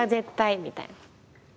みたいな。